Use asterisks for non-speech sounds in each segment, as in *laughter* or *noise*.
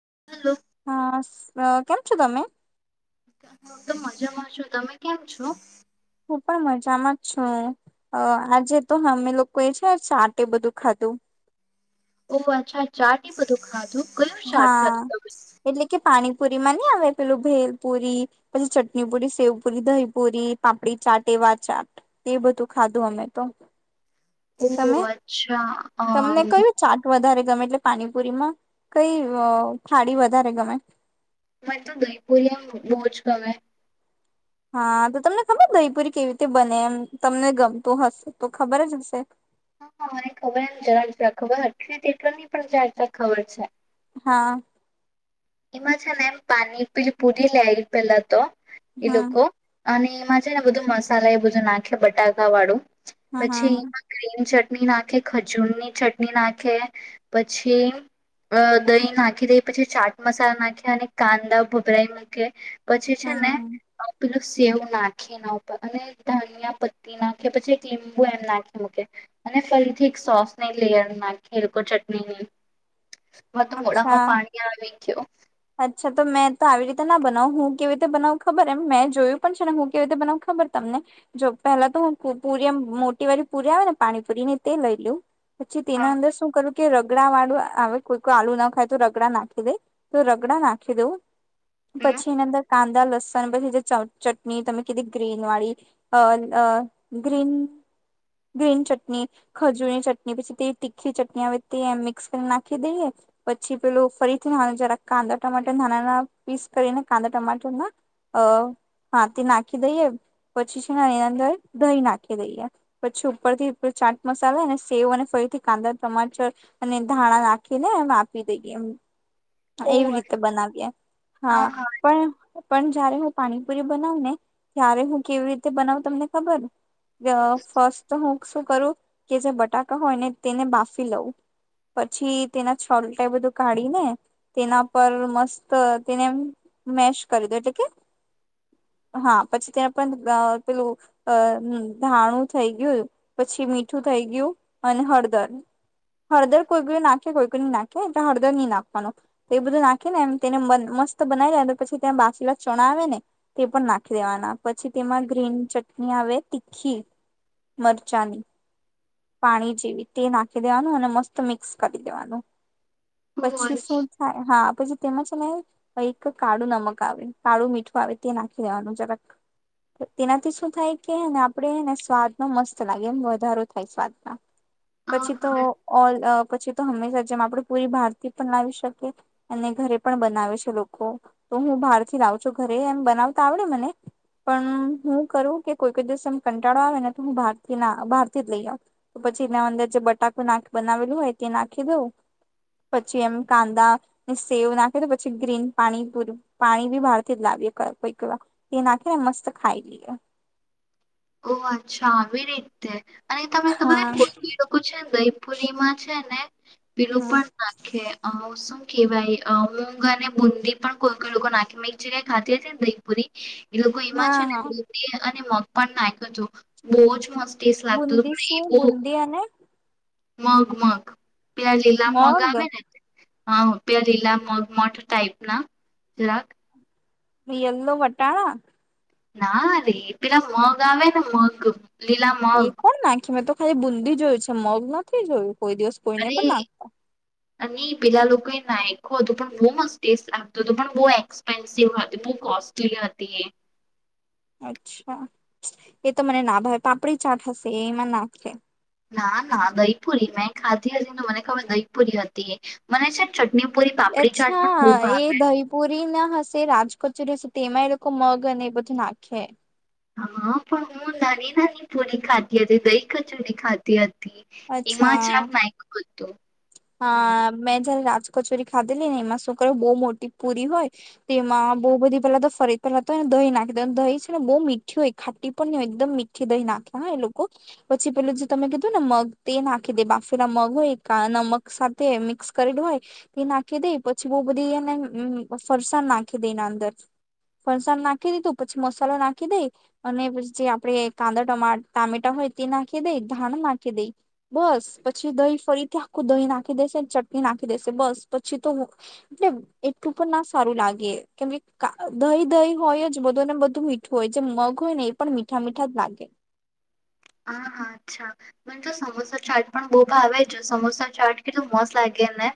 *unintelligible* હા કેમ છો તમે. હું તો મજામાં છું તમે કેમ છો. હું પણ મજામાં છું આજે તો અમે લોકો એ છે ચાટે બધું ખાધું- ઓ અચ્છા ચાટી બધું ખાધું. કયું ચાટ હા ખાધું તમે એટલે કે પાણી પુરીમાં નહી આવે પેલું ભેલપુરી પછી ચટણી પુરી સેવ પુરી દહીપુરી પાપડી ચાટ એવા ચાટ એ બધું ખાધું અમે તો તમે ઓહ અચ્છા તમને હ. કયું ચાટ વધારે ગમે એટલે પાણીપુરીમાં કઈ થાળી વધારે ગમે. મને તો દહીપુરિયા બોજ ગમે હા તો તમને ખબર દહીપુરી કેવી રીતે બને એમ તમને ગમતું હશે તો ખબર જ હશે. હ હ મને ખબર એમ જરા ખબર અઠલીટની પજા ખબર છે. હા એમાં છે ને એમ પાણીપુરી પીલી લે પેલા તો એ હમ લોકો અને એમાં છે ને બધું મસાલા એ બધું નાખ બટાકા વાળું હમ પછી હમ એમાં ગીન ચટણી ચટણી નાખે ખજૂરની ચટણી નાખે પછી અ દહી નાખી દે પછી ચાટ મસાલો નાખે અને કાંદા ભૂભરા રાખે પછી છે ને હમ પેલું સેવ નાખી ના ઉપર અને ધનિયા પત્તી નાખી પછી એક લીંબુ એમ નાખી મૂકે અને ફરીથી એક સોસની લેયર નાખી એ ચટણીની. તો મોડામાં અચ્છા પાણી આવી. તે ઓ અચ્છા તો મેં તો આવી રીતે ના બનાવ હું કેવી રીતે બનાવ ખબર એમ મેં જોયું પણ છે ને હું કેવી રીતે બનાવ ખબર તમને જો પેલા તો હું પુરી એ મોટી વાળી પુરી આવે ને પાણીપુરી ને તે લઈ લઉ પછી તેના હા અંદર શું કરું કે રગડા વાળું આવે કોઈ કોઈ આલુ ના ખાય તો રગડા નાખી દઈ તો રગડા નાખી દઉં હમ પછી એની અંદર કાંદા લસણ પછી જે ચટણી તમે કીધી ગ્રીન વાળી ગ્રીન ગ્રીન ચટણી ખજૂરની ચટણી પછી તે તીખી ચટણી આવે તે મિક્સ કરીને નાખી દઈએ પછી પેલું ફરીથી નાનું જરા કાંદા ટમાટર ધાણાના પીસ કરીને કાંદા ટમાટરના અ હાથે નાખી દઈએ પછી છે ને એની અંદર દહી નાખી દઈએ પછી ઉપરથી ચાટ મસાલા સેવ અને ફરીથી કાંદા ટમાટર અને ધાણા નાખીને એમ આપી દઈએ એવી ઓવર રીતે બનાવીએ હા આહાર પણ પણ જયારે હું પાણીપુરી બનાવ ને ત્યારે હું કેવી રીતે બનાવ તમને ખબર ફસ્ટ હું શું કરું કે જે બટાકા હોય ને તેને બાફી લઉં પછી તેના છલટા એ બધું કાઢી ને તેના પર મસ્ત તેને મેેશ કરી દો એટલે કે હા પછી તેના પર પેલું ધાણું થઈ ગયું પછી મીઠું થઈ ગયું અને હળદર હળદર કોઈ કો નાખે કોઈ કો ન નાખે એટલે હળદર નહી નાખવાનું એ બધું નાખી ને એમ તેને મસ્ત બનાવી લે પછી ત્યાં બાછીલા ચણા આવે ને તે પણ નાખી દેવાના પછી તેમાં ગ્રીન ચટણી આવે તીખી મરચાંની પાણી જેવી તે નાખી દેવાનું અને મસ્ત મિક્સ કરી દેવાનું ઓવર પછી શું થાય, હા. પછી તેમાં છે ને એક કાળું નમક આવે, કાળું મીઠું આવે તે નાખી દેવાનું જરાક, તેનાથી શું થાય કે એને આપણે ને સ્વાદ મા મસ્ત લાગે એમ, વધારો થાય સ્વાદમાં. પછી તો આહાર ઓલ અહ પછી તો હંમેશા જેમ આપડે પૂરી બહાર થી પણ લાવી શકીએ, અને ઘરે પણ બનાવે છે લોકો, તો હું બહાર થી લાવું છું, ઘરે એમ બનાવતા આવડે મને પણ હું કરું કે કોઈ-કોઈ દિવસ આમ કંટાળો આવે ને તો હું બહારથી ના બહાર થી જ લઈ આવું. પછી એના અંદર જે બટાકું નાખ બનાવેલું હોય તે નાખી દઉ, પછી એમ કાંદા ને સેવ નાખી દઉ, પછી ગ્રીન પાણી પુર પાણી બી બહાર થી જ લાવીએ ક કોઈકવાર, તે નાખીને મસ્ત ખાઈ લઈએ. ઓહ! અચ્છા આવી રીતે! અને તમે તમને હા કોઈક બી લોકો છે ને દહીપુરી માં છે ને પેલું હમ પણ નાખે. અહ શું કહેવાય અહ મૂંગ અને બુંદી પણ કોઈ-કોઈ લોકો નાખે, મે એક જગે ખાતી હતી ને દહીપુરી એ લોકો એમાં હા છે હા ને *unintelligible* અને મગ પણ નાખ્યું તું. બહુ જ મસ્ત ટેસ્ટ લાગતું બુંદી શું બુંદી અને? મગ-મગ પેલા લીલા મગા મગ આવે ને હા પેલા લીલા મગ મઠ ટાઈપ ના જરાક. યેલ્લો વટાણા? ના રે, પેલા મગ આવે ને મગ લીલા એ મગ કોણ નાખે મે તો ખાલી બુંદી જોયું છે મગ નથી જોયું. કોઈ દિવસ કોઈને પણ અરે નાખતા. અને પેલા લોકો એ નાખ્યું હતું પણ બહુ મસ્ત ટેસ્ટ લાગતો તો, પણ બહુ એક્સપેન્સિવ હતી, બહુ કોસ્ટલી હતી એ. અચ્છા. એ તો મને ના ભાવે પાપડી ચાટ હશે એ એમાં નાખે. ના, ના દહીપુરી મેં ખાધી હતી તો મને ખબર દહીપુરી હતી એ. મને છે ન અચ્છા. એ દહીપુરી ના હશે રાજકચોરી સુ તેમાં એ લોકો મગ અને એ બધું નાખે. હા પણ હું નાની-નાની પૂરી ખાધી હતી, દહી કચોરી ખાધી હત એમા જ અચ્છા *unintelligible* હમ હા મે જારે રાજ કચોરી ખાધેલી ને એમાં શું કરે બહુ મોટી પૂરી હોય, તેમાં બહુ બધી પેલા તો ફરી પહેલા તો એને દહીં નાખી દેવાનું, દહી છે ને બહુ મીઠી હોય, ખાટી પણ ન હોય એકદમ મીઠી દહી નાખે ના એ લોકો, પછી પેલું જે તમે કીધું ને મગ તે નાખી દે બાફેલા મગ હોય કા નમક સાથે મિક્સ કરેલ હોય તે નાખી દે, પછી બઉ બધી એને અમ ફરસાણ નાખી દે એના અંદર, ફરસાણ નાખી દીધું, પછી મસાલો નાખી દે, અને પછી જે આપણે કાંદા ટમા ટામેટા હોય તે નાખી દેઈ, ધાણ નાખી દઈ. બસ પછી દહી ફરી કે આખું દહીં નાખી દેશે, ચટણી નાખી દેશે બસ પછી તો એટલે એટલું પણ ના સારું લાગે કેમકે કા દહી-દહી હોય જ બધું, અને બધું મીઠું હોય, જે મગ હોય ને એ પણ મીઠા-મીઠા જ લાગે. હા, હા અચ્છા. મને તો સમોસા ચાટ પણ બહુ ભાવે જ. સમોસા ચાટ કેટલું મસ્ત લાગ ગે ને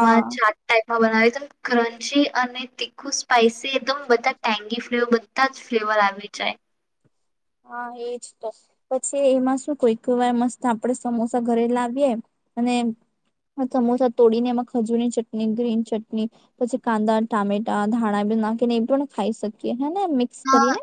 એમા ચાટ ટાઈપ *unintelligible* બનાવી ત ક્રંચી અને તી ખુ સ્પાઈસી એકદમ બધા *unintelligible* ફ્લેવર બધા જ ફ્લેવર આવી જાય. હા. એજ તો, પછી એમાં શું કોઈ કહેવાય મસ્ત આપડે સમોસા ઘરે લાવીએ. અને સમોસા તોડીને એમાં ખજૂરની ચટણી, ગ્રીન ચટણી, પછી કાંદા, ટામેટા, ધાણા બી નાખીને એ પણ ખાઈ શકીએ. હેને મિક્સ કરીને. હા.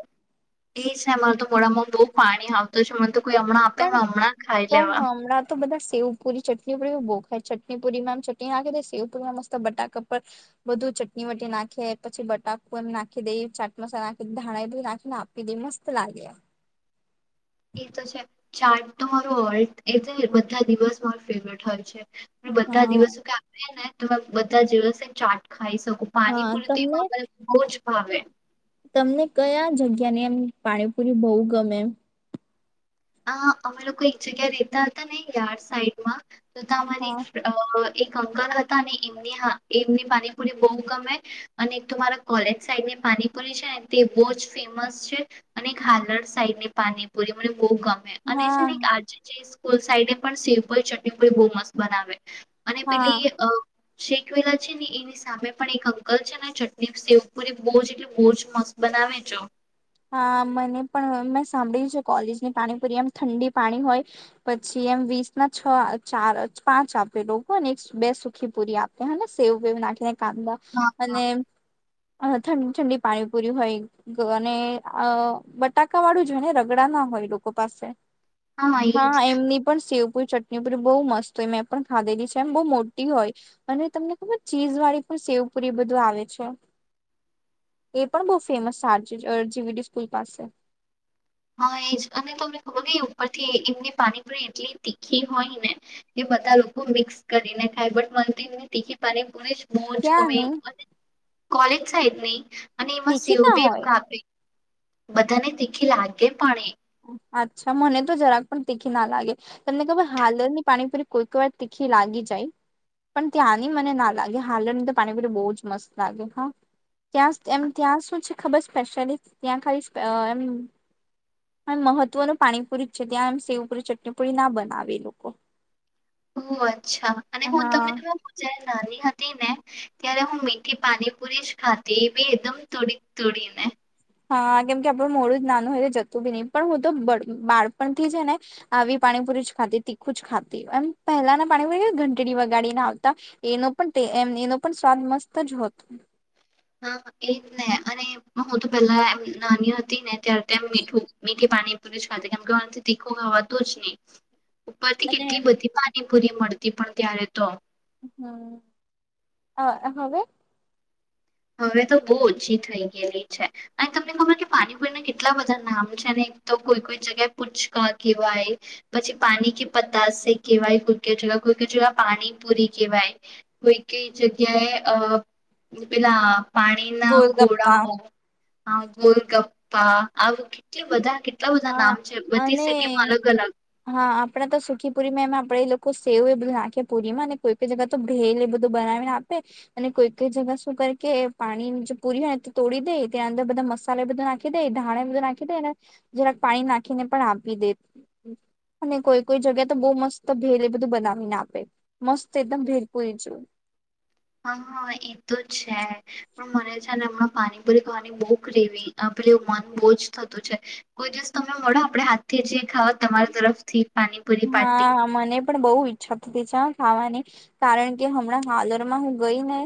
એ છે મારે તો મોડામાં બહુ પાણી આવતુ હોય છે મન તો કોઈ હમણાં આપે પણ, ને હમણાં ખાઈ પણ લેવા હમણાં તો બધા સેવ-પૂરી ચટ *unintelligible* બોફલ ચટણી પુરીમાંમ ચટણી નાખી દે, સેવપુરી મસ્ત બટાકા પર બધું ચટણી વટી નાખી, પછી બટાકુ એમ નાખી દેઇ, ચાટ મસાલા નાખી દ ધાણા એ બધી નાખીને આપી દે મસ્ત લાગે. એ તો છે. ચાટ તો મારો ઓલ એ બધા દિવસ માર ફેવરેટ હોય છે. પણ બધા હા દિવસો કે આવે ને ત બધા જેવાસે ચાટ ખા હા. તમને જ ભાવે તમને કયા જગ્યા ની એમ પાણીપુરી બહુ ગમે? આ અમે લોકો એક જગ્યા રેતા હતા ને યાર્ડ સાઈડ માં તો તા અમારી હા અ એક અંકલ હતા. અને એમની એમની પાનીપુરી બઉ ગમે, અને એક તો મારા કોલેજ સાઈડની પાનીપુરી છે, ને તે બો જ ફેમસ છે અને એક હાલડ સાઈડની પાનીપુરી મને બઉ ગમે અને છે હા ને આજે જે ફુલ સાઇડને પણ સિમ્પલ ચટીપડી બહુ મસ્ત બનાવે. અને હા. પેલી અ શેકવેલા છે, ને એની સામે પણ એક અંકલ છે, ને ચટણી સેવ પૂરી બઉ જ એટલે બઉ જ મસ્ત બનાવે ચ હા. મને પણ મેં સાંભળ્યું છે કોલેજની પાણીપુરી એમ ઠંડી પાણી હોય. પછી એમ વીસ ના છ ચાર જ, પાંચ આપે લોકોને એક બે સુખી પુરી આપે. હને સેવ વેવ નાખે. કાંદા હા અને હા અ ઠંડી-ઠંડી પાણીપુરી હોય ગ અને.. અ બટાકા વાળું જરાય ને રગડા ના હોય લોકો પાસે. એ જ હા. એમની પણ સેવ ફૂલ ચટણી પુરી બહુ મસ્ત હોય મેં પણ ખાધેલી છે. એમ બહુ મોટી હોય. અને તમને ખબર ચીઝ વાળી પણ સેવ પુરી બધું આવે છે. એ પણ બઉ ફેમસ *unintelligible* ડી વી ડીસ્કૂલ પાસે. હા. એજ અને તમને ખબર ઉપરથી એમની પાણી પૂરી એટલી તીખી હોય, ને કે બધા લોકો મિક્સ કરીને ખાય. બટ મને એમની તીખી પાણી પૂરી જ બોજ ક્યાં ગમે નહી અને કોલેજ સાઈડ ની અને એમાં તીખી સેવ બી હોય કા આપે. બધાને તીખી લાગ કે પાણી અચ્છા મને તો જરાક પણ તીખી ના લાગે. તમને ખબર હાલરની પાણીપુરી કોઈક વાર તીખી લાગી જાય. પણ, ત્યાંની મને ના લાગે. હાલરની તો પાણીપુરી બહુ જ મસ્ત લાગે હા. ત્યાં એમ ત્યાં શું છે ખબર સ્પેશલી ત્યાં ખાલી એમ પણ મહત્વનું પાણીપુરી જ છે. ત્યાં એમ સેવપુરી ચટણીપુરી ના બનાવે એ લોકો. ઓ અચ્છા. અને હું હા તમને *unintelligible* પછાય નાની હતી, ને ત્યારે હું મીઠી પાણી પુરી જ ખાતી. એ બી એકદમ તુંડી તુડીને. હા. કેમ કે આપડું મોડું જ નાનું હોય, જતું બી નહિ. પણ હું તો બ બાળપણથી જ ને આવી પાણીપુરી જ ખાતી, તીખું જ ખાતી. એમ પહેલાના પાણીપુરી ઘંટડી વગાડીને આવતા એનો પણ એમ એનો પણ સ્વાદ મસ્ત જ હોતો. હા. એજ ને અને હું તો પેલા એમ નાની હતી ને ત્યાર તેમ મીઠું, મીઠી પાણી *unintelligible* ખાતી કેમ કે હું આન થી તીખું ખવાતુંજ ની. ઉપર થી અને કેટલી બધી વાત *unintelligible* પૂરી મળતી પણ ત્યારે તો. હમ્મ, આ હવે હવે તો બહુ ઓછી થઈ ગેલી છે અને તમને ખબર કે પાણીપુરી ના કેટલા બધા નામ છે ને એક તો કોઈ કોઈ જગ્યાએ પૂચકા કેહેવાય, પછી પાણી કે પતાસે કહેવાય કોઈ કેજ, કોઈ કોઈ જયા પાણીપુરી કહેવાય, કોઈ કઈ જગ્યાએ અ પેલા પાણીના ગોલગપ્પા ઘોળઓ હ ગોલગપ્પા, આવું કેટલા બધા હા નામ છે બધી અને, સિટીમાં અલગ અલગ હા આપણા તો સુખીપુરીમાં એમાં આપણે એ લોકો સેવ એ બધું નાખે પુરીમાં અને કોઈ કઈ જગા તો ભેલ એ બધું બનાવીને આપે અને કોઈ કઈ જગા શું કર એ પાણી જે પુરી હોય ને તોડી દે, ત્યાં અંદર બધા મસાલો એ બધો નાખી દે, ધાણા એ બધું નાખી દેને જરાક પાણી નાખીને પણ આપી દે, અને કોઈ કોઈ જગ્યા તો બઉ મસ્ત ભેલ એ બધું બનાવીને આપે, મસ્ત એકદમ ભેલ પૂરી જેઉ. હા હા એ તો છે, પણ મને છે ને હમણાં પાણીપુરી ખાવાની બહુ ક્રેવી, અ પેલી મન બહુ જ થતું છે કોઈ દિવસ તમને મળો આપડે હાથ જીએ ખાવા તમારી તરફથી પાણીપુરી પાર્ટી. છા થતી છે હ ખાવાની, કારણ કે હમણાં હાલરમાં હું ગઈ ને,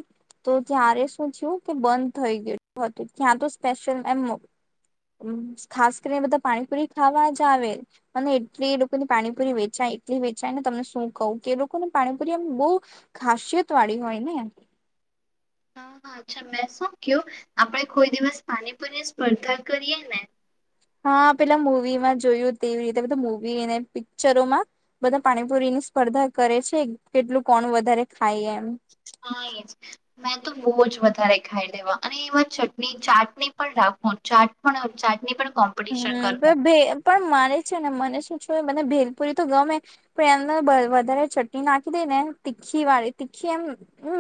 તો ત્યારે શું થયું કે બંધ થઈ ગેલુ હતું ત્યાં તો સ્પેશિયલ એમ ખાસ કરીને બધા પાણીપુરી ખાવા જ આવે. અને એટલી એ લોકોની પાણીપુરી વેચાય એટલી વેચાય ને તમને શું કઉ કે એ લોકોનું પાણીપુરી અમ બઉ ખાસિયત વાળી હોય ને એમ. હા હા અચ્છા મેં શું ક્યો આપણેે કોઈ દિવસ પાણીપુરી સ્પર્ધા કરીએ ને? હા પેલા મુવીમાં જોયું તેવી રીતે, બધા મુવીને પિક્ચરોમાં, બધા પાણીપુરીની સ્પર્ધા કરે છે કેટલું કોણ વધારે ખા હ એજ, મેં તો બઉ જ વધ રે ખાઈ લેવા અને એમાં ચટણી ચાટની પણ રાખો ચાટ પણ ચાટની પણ કોમ્પિટિશન હમ્મ, તો કરવું ભે પણ માને છે ને મને શું મને ભેલપુરી તો ગમે પણ એંદર વધારે ચટણી નાખી દે ને, તીખી વાળી તીખી એમ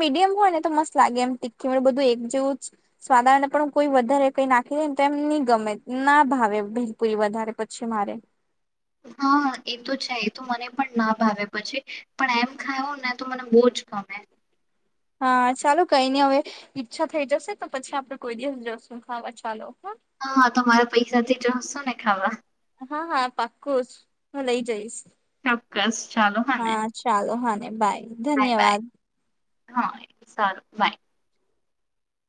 મીડિયમ હોય ને તો મસ્ત લાગે એમ તીખી મને બધું એક જેવું જ સ્વાદા ને પણ કોઈ વધારે કઈ નાખી દે ને તો એમ ની ગમે, ના ભાવે ભેલપુરી વધારે પછી મારે. હા એ તો છે, એ તો મને પણ ના ભાવે પછી, પણ એમ ખાયોને તો મને બો જ ગમે. હા ચાલો કઈ નઈ હવે ઈચ્છા થઈ જશે તો પછી આપડે કોઈ દિવસ જશું ખાવા ચાલો. હા હા તમારા પૈસાથી જશું ને ખાવા. હા હા, પાકું જ, હું લઈ જઈશ. ચોક્કસ ચાલો હને? હા ચાલો હા બાય. ધન્યવાદ. હા, સારું બાય.